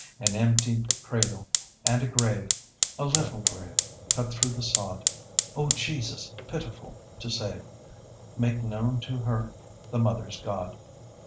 An emptied cradle, and a grave A little grave cut through the sod; O Jesus, pitiful to save, Make known to her the mother's God.